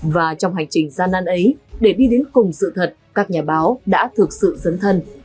và trong hành trình gian nan ấy để đi đến cùng sự thật các nhà báo đã thực sự dấn thân